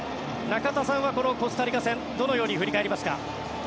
中田さんはこのコスタリカ戦どのように振り返りますか？